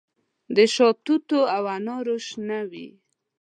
د شاتوتو او انارو شنه وي